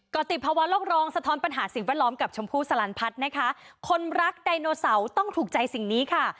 ก็ติดภาวะโลกร้องสะท้อนปัญหาสิ่งแวดล้อมกับชมพู่สลันพัฒน์นะคะคนรักไดโนเสาร์ต้องถูกใจสิ่งนี้ค่ะ